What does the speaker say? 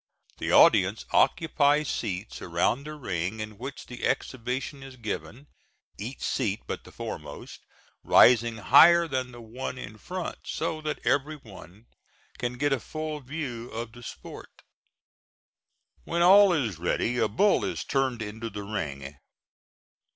The audience occupies seats around the ring in which the exhibition is given, each seat but the foremost rising higher than the one in front, so that every one can get a full view of the sport. When all is ready a bull is turned into the ring.